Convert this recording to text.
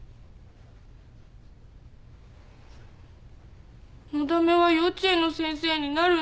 のだめは幼稚園の先生になるんです。